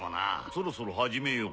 そろそろ始めよう。